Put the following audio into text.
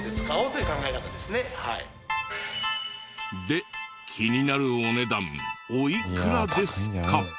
で気になるお値段おいくらですか？